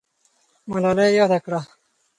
ملالۍ یاده کړه.